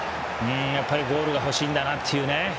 やっぱりゴールが欲しいんだなというね。